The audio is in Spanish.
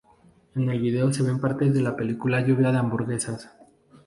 En el vídeo se ven partes de la película Lluvia De Hamburguesas.